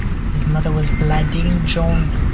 His mother was Bladine John.